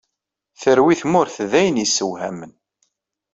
Terwi tmurt dayen isewhamen.